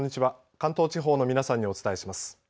関東地方の皆さんにお伝えします。